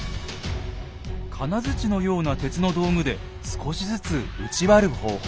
金づちのような鉄の道具で少しずつ打ち割る方法。